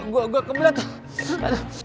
gue gue kembali atuh